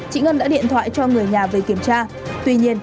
chị ngân đã điện thoại cho người nhà về kiểm tra